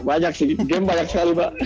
banyak sih game banyak sekali pak